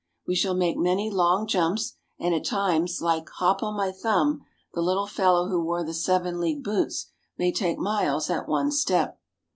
We shall make many long jumps, and at times, like Hop o' my Thumb, the little fellow who wore the seven league boots, may take miles at one step.